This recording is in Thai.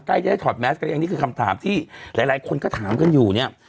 ใกล้จะได้ถอดแมสก็ยังนี่คือคำถามที่หลายคนก็ถามกันอยู่เนี่ย